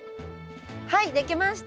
はい出来ました！